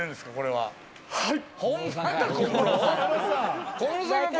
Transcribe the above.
はい。